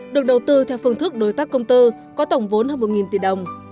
được đầu tư theo phương thức đối tác công tư có tổng vốn hơn một tỷ đồng